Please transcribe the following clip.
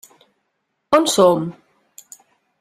On som?